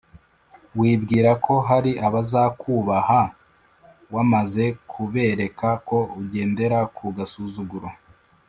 wibwira ko hari abazakwubaha wamaze kubereka ko ugendera ku gasuzuguro